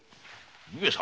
上様